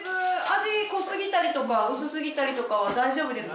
味濃すぎたりとか薄すぎたりとかは大丈夫ですか？